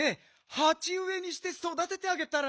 はちうえにしてそだててあげたら？